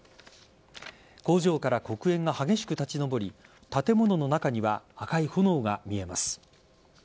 工場から黒煙が激しく立ち上り建物の中には赤い炎が見えます。